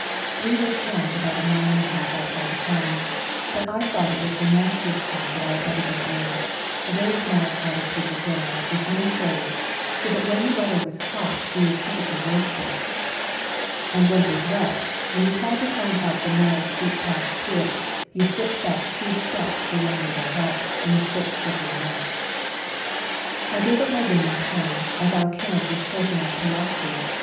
We were camped about a mile and a half outside the town, but I thought it was the nastiest camp that I had ever been in — a very small crowded piece of ground with no shade, so that when the weather was hot we were perfectly roasted, and when it 230 " SLAVA DAY " 231 was wet, when you tried to climb up the narrow steep path to it, you shpped back two steps for one you went up, in the thick sHppery mud. I gave up my room in town, as our camp was close enough to walk to.